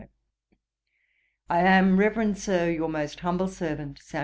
'I am, reverend Sir, 'Your most humble servant, 'SAM.